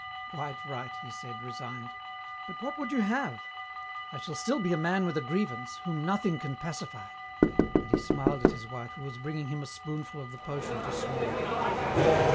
"Quite right," he said, resigned, "but what would you have? I shall still be a man with a grievance, whom nothing can pacify," and he smiled at his wife who was bringing him a spoonful of the potion to swallow.